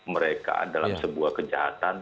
mereka dalam sebuah kejahatan